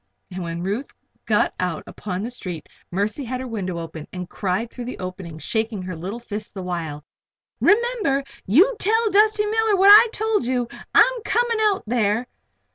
And when Ruth got out upon the street Mercy had her window open and cried through the opening, shaking her little fist the while: "Remember! You tell Dusty Miller what I told you! I'm coming out there."